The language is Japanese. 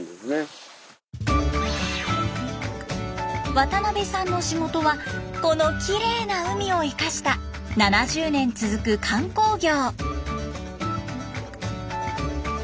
渡邊さんの仕事はこのきれいな海を生かした７０年続く観光業。